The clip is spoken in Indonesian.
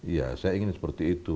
iya saya ingin seperti itu